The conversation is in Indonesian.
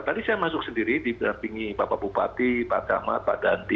tadi saya masuk sendiri diberhampingi bapak bupati pak ahmad pak dantit